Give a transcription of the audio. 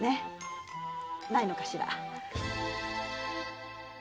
ないのかしら？